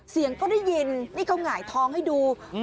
เสียงก็ได้ยินนี่เขาหงายท้องให้ดู